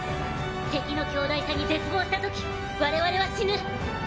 敵の強大さに絶望したとき我々は死ぬ。